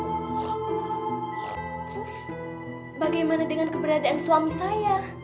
terus bagaimana dengan keberadaan suami saya